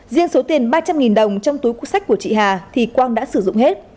riêng số tiền ba trăm linh đồng trong túi sách của chị hà thì quang đã sử dụng hết